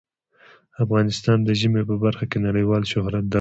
افغانستان د ژمی په برخه کې نړیوال شهرت لري.